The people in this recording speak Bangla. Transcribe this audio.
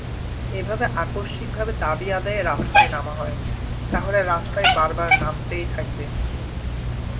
এভাবে আকস্মিকভাবে দাবি আদায়ে রাস্তায় নামা হয়, তাহলে রাস্তায় বারবার নামতেই থাকবে।